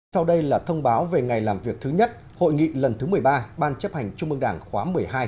sau đây là thông báo về ngày làm việc thứ nhất hội nghị lần thứ một mươi ba ban chấp hành trung mương đảng khóa một mươi hai